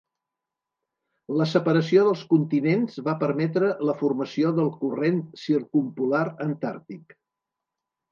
La separació dels continents va permetre la formació del Corrent Circumpolar Antàrtic.